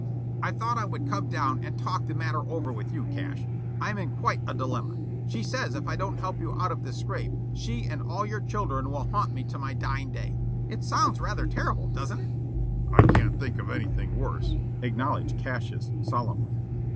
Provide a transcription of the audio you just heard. "I thought I would come down and talk the matter over with you, Cash. I'm in quite a dilemma. She says if I don't help you out of this scrape she and all your children will haunt me to my dying day. It sounds rather terrible, doesn't it?" "I can't think of anything worse," acknowledged Cassius, solemnly.